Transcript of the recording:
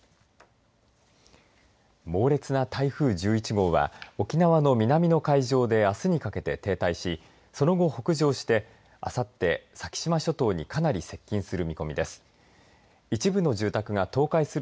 猛烈な台風１１号は沖縄の南の海上であすにかけて停滞しその後、北上して、あさって先島諸島にかなり接近する見込みです。